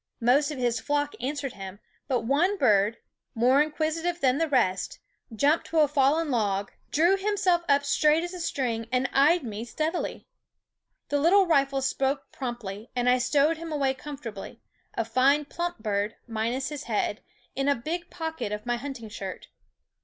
Most of his flock ^. followed him ; but one bird, more inquisitive V than the rest, jumped to a fallen log, drew * 128 ^ SCHOOL OF himself up straight as a string, and eyed me steadily. The little rifle spoke promptly; and I stowed him away comfortably, a fine plump bird, minus his head, in a big pocket of my hunting shirt.